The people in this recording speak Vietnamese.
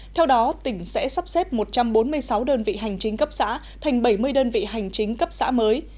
theo đó tỉnh sẽ sắp xếp một trăm bốn mươi sáu đơn vị hành chính cấp xã thành bảy mươi đơn vị hành chính cấp xã mới